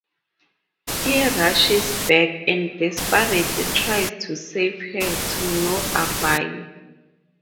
He rushes back and desperately tries to save her, to no avail.